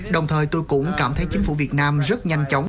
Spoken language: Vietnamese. đồng thời tôi cũng cảm thấy chính phủ việt nam rất nhanh chóng